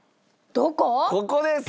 ここです！